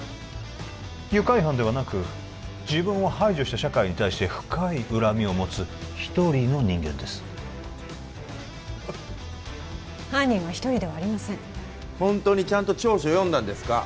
愉快犯ではなく自分を排除した社会に対して深い恨みを持つ１人の人間ですハハッ犯人は１人ではありませんホントにちゃんと調書読んだんですか？